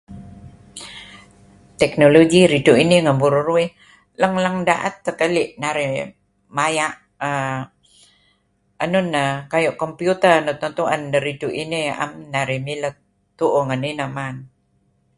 Teknologi ridu' inih ngen byryr uih leng-leng daet teh kali' narih. Maya' uhm enun neh kayu' computer nuk tuen-tuen deh ridtu' inih naem narih mileh tuuh ngen ineh man.